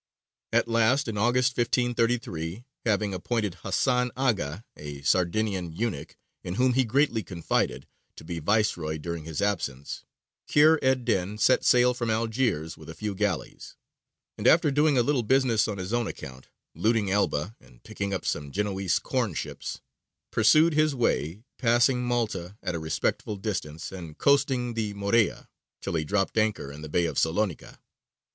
At last, in August, 1533, having appointed Hasan Aga, a Sardinian eunuch, in whom he greatly confided, to be viceroy during his absence, Kheyr ed dīn set sail from Algiers with a few galleys; and after doing a little business on his own account looting Elba and picking up some Genoese corn ships pursued his way, passing Malta at a respectful distance, and coasting the Morea, till he dropped anchor in the Bay of Salonica.